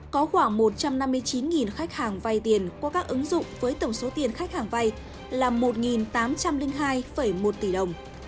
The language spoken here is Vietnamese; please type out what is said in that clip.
có khoảng một trăm năm mươi chín khách hàng vay tiền qua các ứng dụng với tổng số tiền khách hàng vay là một tám trăm linh hai một tỷ đồng